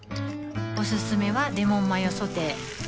おすすめはレモンマヨソテー